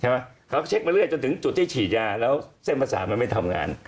เขาเช็คมาเรื่อยจนถึงจุดที่ฉีดยาแล้วเส้นภาษามันไม่ทำงาน